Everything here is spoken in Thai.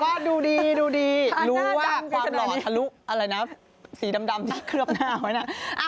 ก็ดูดีดูดีรู้ว่าความหล่อทะลุอะไรนะสีดำที่เคลือบหน้าไว้นะ